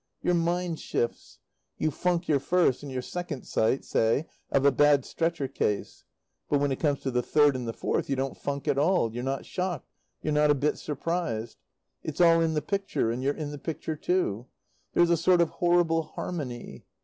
Your mind shifts. You funk your first and your second sight, say, of a bad stretcher case; but when it comes to the third and the fourth you don't funk at all; you're not shocked, you're not a bit surprised. It's all in the picture, and you're in the picture too. There's a sort of horrible harmony.